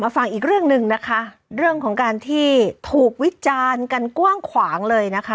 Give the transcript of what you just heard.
ผู้อาจวิจารณ์กลวงขวางเลย